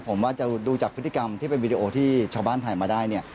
ผมว่าจะดูจากพฤติกรรมที่เป็นวีดีโอที่ชาวบ้านถ่ายมาได้เนี่ย